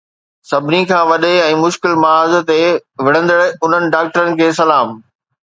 سڀني کان وڏي ۽ مشڪل محاذ تي وڙهندڙ انهن ڊاڪٽرن کي سلام